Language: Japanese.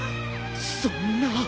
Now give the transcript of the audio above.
そんな。